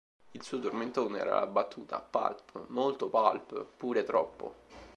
Il suo tormentone era la battuta "Pulp, molto pulp... pure troppo!".